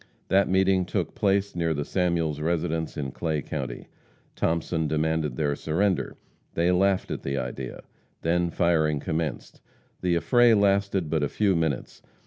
That meeting took place near the Samuels residence in Clay county. Thomason demanded their surrender. They laughed at the idea. Then firing commenced. The affray lasted but a few minutes.